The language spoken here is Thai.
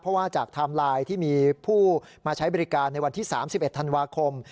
เพราะว่าจากไทม์ไลน์ที่มีผู้มาใช้บริการในวันที่๓๑ธันวาคม